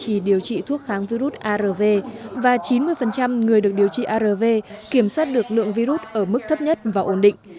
chỉ điều trị thuốc kháng virus arv và chín mươi người được điều trị arv kiểm soát được lượng virus ở mức thấp nhất và ổn định